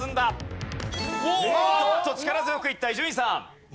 おっと力強くいった伊集院さん。